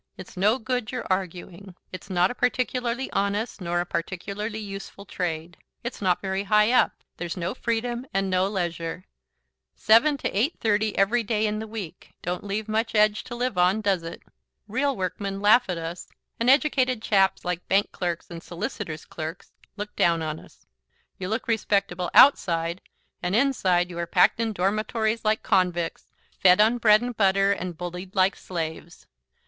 It's no good your arguing. It's not a particularly honest nor a particularly useful trade; it's not very high up; there's no freedom and no leisure seven to eight thirty every day in the week; don't leave much edge to live on, does it? real workmen laugh at us and educated chaps like bank clerks and solicitors' clerks look down on us. You look respectable outside, and inside you are packed in dormitories like convicts, fed on bread and butter and bullied like slaves.